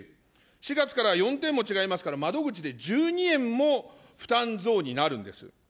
４月から４点も違いますから、窓口で１２円も負担増になるんです。